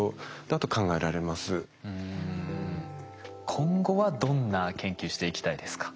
今後はどんな研究していきたいですか？